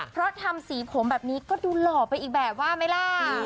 เพราะทำสีผมแบบนี้ก็ดูหล่อไปอีกแบบว่าไหมล่ะ